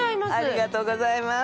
ありがとうございます。